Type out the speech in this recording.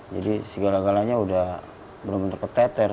jadi segala galanya sudah benar benar keteter